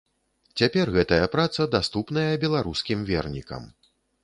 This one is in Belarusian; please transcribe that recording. Цяпер гэтая праца даступная беларускім вернікам.